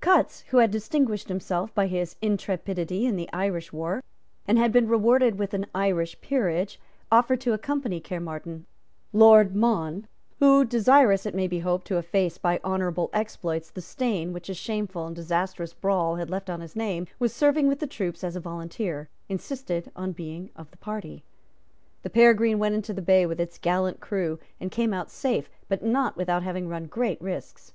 Cutts, who had distinguished himself by his intrepidity in the Irish war, and had been rewarded with an Irish peerage, offered to accompany Caermarthen, Lord Mohun, who, desirous, it may be hoped, to efface by honourable exploits the stain which a shameful and disastrous brawl had left on his name, was serving with the troops as a volunteer, insisted on being of the party. The Peregrine went into the bay with its gallant crew, and came out safe, but not without having run great risks.